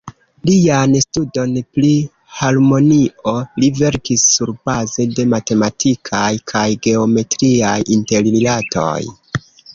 Lian studon pri harmonio, li verkis surbaze de matematikaj kaj geometriaj interrilatoj.